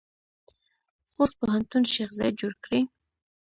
خوست پوهنتون شیخ زاید جوړ کړی؟